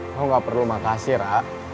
kamu gak perlu makasih ra